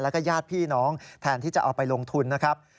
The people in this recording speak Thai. แล้วก็ญาติพี่น้องแทนที่จะเอาไปลงทุนนะครับ